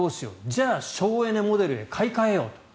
じゃあ省エネモデルへ買い替えよう。